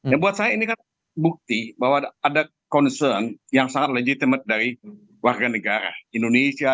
ya buat saya ini kan bukti bahwa ada concern yang sangat legitimate dari warga negara indonesia